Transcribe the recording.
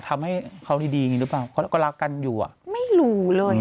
เขาผิดหรือเปล่าเราก็รู้สึกแบบดีหรือเปล่าเขาก็รักกันอยู่อ่ะไม่รู้เลย